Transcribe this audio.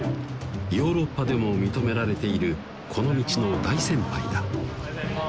ヨーロッパでも認められているこの道の大先輩だおはようございます